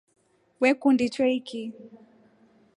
Wekunda choiki?